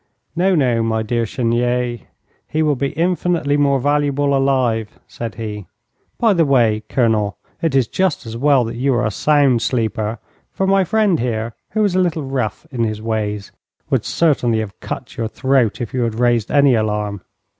'No, no, my dear Chenier, he will be infinitely more valuable alive,' said he. 'By the way, Colonel, it is just as well that you are a sound sleeper, for my friend here, who is a little rough in his ways, would certainly have cut your throat if you had raised any alarm.